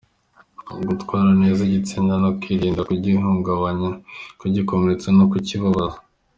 Gutwara neza igitsina no kwirinda kugihungabanya, kugikomeretsa no kukibabaza.